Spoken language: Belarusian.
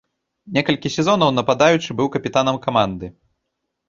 Некалькі сезонаў нападаючы быў капітанам каманды.